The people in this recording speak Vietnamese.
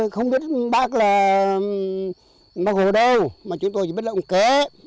không biết bác là bác hồ đâu mà chúng tôi chỉ biết là ông kế